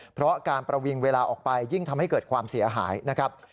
เพราะการประวิงเวลาออกไปยิ่งทำให้เกิดความเสียหายนะครับ